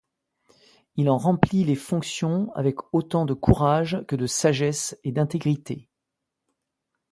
Il en remplit les fonctions avec autant de courage que de sagesse et d'intégrité.